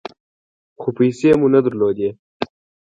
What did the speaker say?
خو پیسې مو نه درلودې .